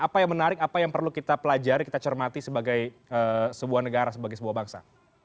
apa yang menarik apa yang perlu kita pelajari kita cermati sebagai sebuah negara sebagai sebuah bangsa